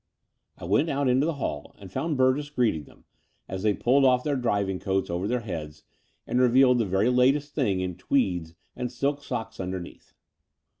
I went out into the hall and found Burgess greeting them, as they pulled off their driving coats over their heads and revealed the very latest things in tweeds and silk socks underneath.